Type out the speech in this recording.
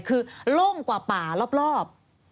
คือโล่งกว่าป่ารอบ